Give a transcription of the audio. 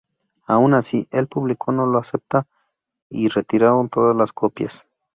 Aun así, el público no la aceptó y retiraron todas las copias.